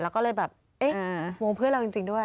แล้วก็เลยแบบเอ๊ะงงเพื่อนเราจริงด้วย